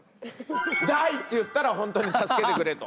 「Ｄｉｅ！」って言ったら本当に助けてくれと。